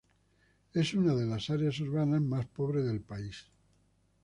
Es una de las áreas urbanas más pobres del país.